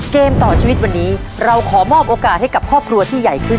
เกมต่อชีวิตวันนี้เราขอมอบโอกาสให้กับครอบครัวที่ใหญ่ขึ้น